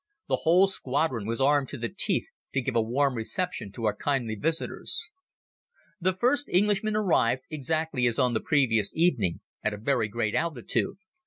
The whole squadron was armed to the teeth to give a warm reception to our kindly visitors. The first Englishman arrived, exactly as on the previous evening, at a very great altitude.